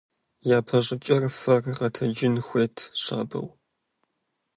ЯпэщӀыкӀэ фэр гъэтэджын хуейт щабэу.